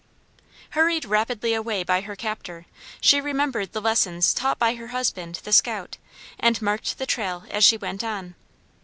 Hurried rapidly away by her captor, she remembered the lessons taught by her husband, the scout, and marked the trail as she went on.